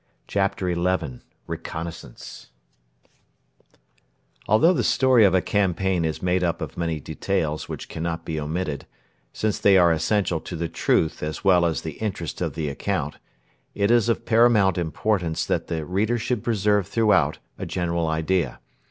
CHAPTER XI: RECONNAISSANCE Although the story of a campaign is made up of many details which cannot be omitted, since they are essential to the truth as well as the interest of the account, it is of paramount importance that the reader should preserve throughout a general idea.